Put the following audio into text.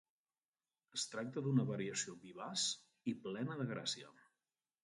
Es tracta d'una variació vivaç i plena de gràcia.